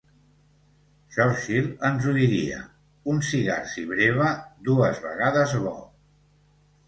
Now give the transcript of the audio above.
Churchill ens ho diria: “un cigar, si breva, dues vegades bo”.